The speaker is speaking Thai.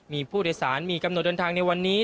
มีผู้โดยสารมีกำหนดเดินทางในวันนี้